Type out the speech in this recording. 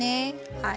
はい。